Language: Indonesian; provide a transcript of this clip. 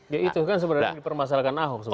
ya itu kan sebenarnya dipermasalahkan ahok sebenarnya